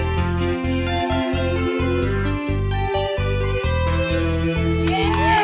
sampai jumpa lagi